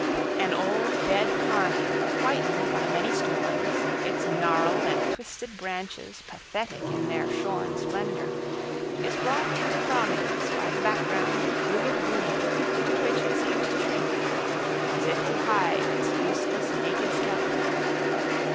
[Illustration: The Turn of the Trail] An old dead pine, whitened by many storms, its gnarled and twisted branches pathetic in their shorn splendor, is brought into prominence by the background of vivid green into which it seems to shrink, as if to hide its useless naked skeleton.